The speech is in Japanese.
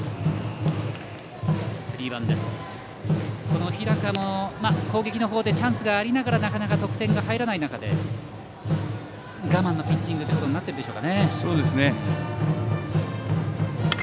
この日高も攻撃の方でチャンスがありながらなかなか得点が入らない中で我慢のピッチングとなっているでしょうかね。